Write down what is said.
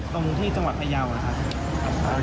ตรงที่จังหวัดพยาวนะครับ